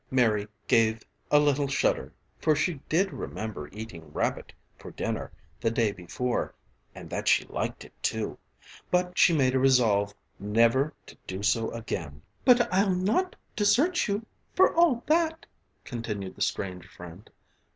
Mary gave a little shudder, for she did remember eating rabbit for dinner the day before and that she liked it, too; but she made a resolve never to do so again. "But I'll not desert you for all that," continued the strange friend.